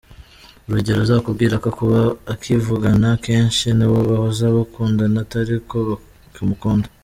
Urugero azakubwira ko kuba akivugana kenshi n’uwo bahoze bakundana atari uko akimukunda.